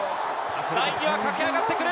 ライン際駆け上がってくる！